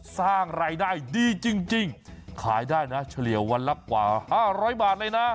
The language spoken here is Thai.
สร้างรายได้ดีจริงขายได้นะเฉลี่ยวันละกว่า๕๐๐บาทเลยนะ